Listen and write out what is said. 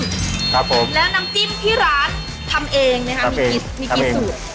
แล้วน้ำจิ้มที่ร้านทำเองมีกี่สูตร